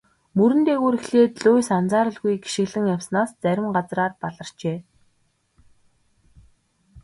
Мөрөн дээгүүр эхлээд Луис анзааралгүй гишгэлэн явснаас зарим газраар баларчээ.